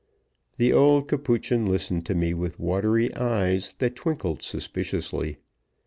The old Capuchin listened to me with watery eyes that twinkled suspiciously.